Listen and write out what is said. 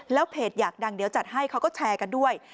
เพจอยากดังเดี๋ยวจัดให้เขาก็แชร์กันด้วย